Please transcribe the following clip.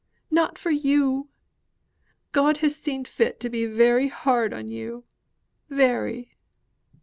Not for you! God has seen fit to be very hard on you, very."